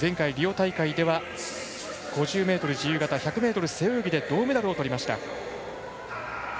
大会では５０ｍ自由形、１００ｍ背泳ぎで銅メダルをとりました。